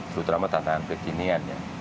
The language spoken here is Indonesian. terutama tantangan kekinian ya